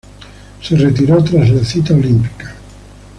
Se retiró tras la cita olímpica.